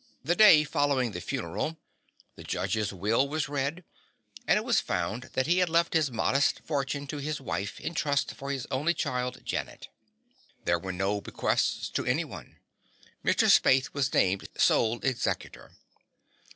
The day following the funeral the judge's will was read and it was found that he had left his modest fortune to his wife, in trust for his only child, Janet. There were no bequests to anyone. Mr. Spaythe was named sole executor.